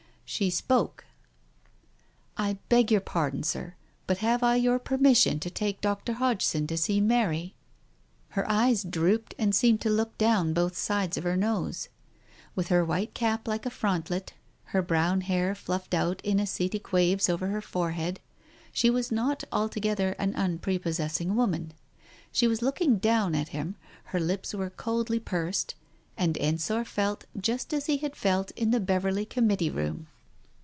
She spoke. " I beg your pardon, Sir, but have I your permission to take Dr. Hodgson to see Mary ?" Her eyes drooped and seemed to look down both sides of her nose. With her white cap like a frontlet, her brown hair fluffed out in ascetic waves over her forehead, she was not altogether an unprepossessing woman. She was looking down at him, her lips were coldly pursed, and Ensor felt just as he had felt in the Beverley Committee room.